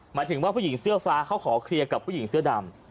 หมายถึงว่าผู้หญิงเสื้อฟ้าเขาขอเคลียร์กับผู้หญิงเสื้อดำ